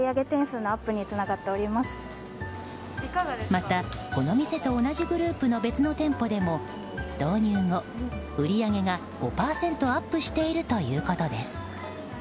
また、この店と同じグループの別の店舗でも導入後、売り上げが５％アップしているということです。